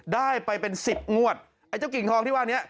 ได้ไปเป็นสิบงวดไอ้เจ้ากิ่งทองที่ว่านี้